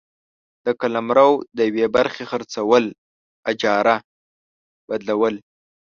د قلمرو د یوې برخي خرڅول ، اجاره ، بدلول،